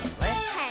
はい。